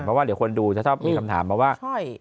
เพราะว่าเดี๋ยวคนดูจะชอบมีคำถามมาว่า